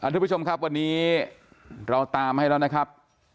ทุกผู้ชมครับวันนี้เราตามให้แล้วนะครับ